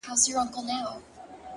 هغه مړ سو اوس يې ښخ كړلو،